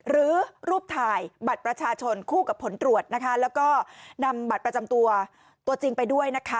รูปถ่ายบัตรประชาชนคู่กับผลตรวจนะคะแล้วก็นำบัตรประจำตัวตัวจริงไปด้วยนะคะ